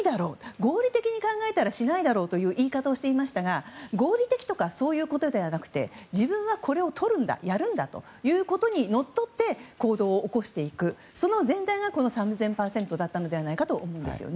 合理的に考えたらしないだろうという言い方をしていましたが合理的とかそういうことではなく自分はこれをとるんだやるんだということにのっとって行動を起こしていくその前段が３０００％だったと思うんですよね。